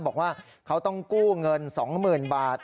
บอกว่าเขาต้องกู้เงิน๒๐๐๐บาท